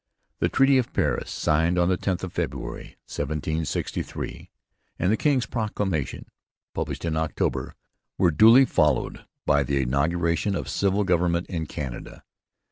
The Treaty of Paris, signed on the 10th of February 1763, and the king's proclamation, published in October, were duly followed by the inauguration of civil government in Canada.